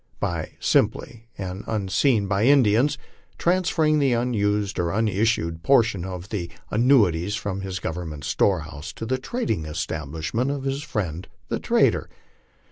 By simply, and unseen by the Indians, transferring the unissued portion of the annuities from his government storehouse to the trading establishment of his friend the trader.